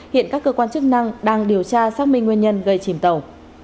hiện các cơ quan chức năng đang điều tra xác minh nguyên nhân gây chìm tàu